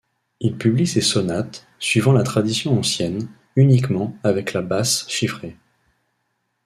Il publie ses sonates, suivant la tradition ancienne, uniquement avec la basse chiffrée.